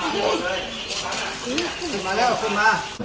ขึ้นมาแล้วขึ้นมา